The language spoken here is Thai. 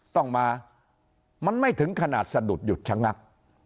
ต้องมามันไม่ถึงขนาดสะดุดหยุดชะงัก